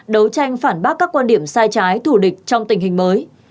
đấu tranh phản bác các quan điểm sai trái thù địch trong tình hình mới